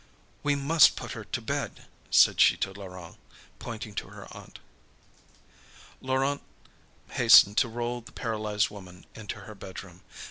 "We must put her to bed," said she to Laurent, pointing to her aunt. Laurent hastened to roll the paralysed woman into her bedroom.